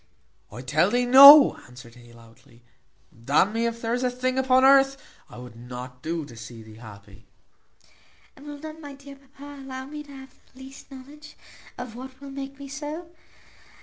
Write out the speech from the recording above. "I tell thee noa," answered he loudly, "d n me if there is a thing upon earth I would not do to see thee happy." "And will not my dear papa allow me to have the least knowledge of what will make me so?